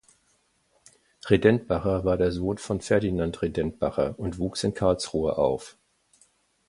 Redtenbacher war der Sohn von Ferdinand Redtenbacher und wuchs in Karlsruhe auf.